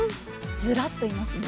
ずらっといますね。